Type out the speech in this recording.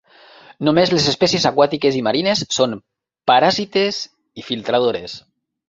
Només les espècies aquàtiques i marines són paràsites i filtradores.